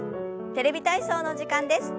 「テレビ体操」の時間です。